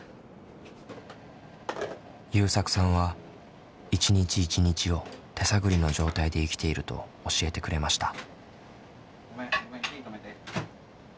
ゆうさくさんは一日一日を手探りの状態で生きていると教えてくれました。